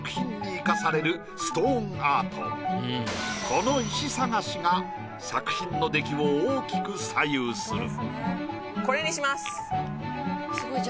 この石探しが作品の出来を大きく左右する。